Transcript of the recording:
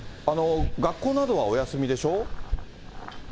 学校などはお休みでしょ？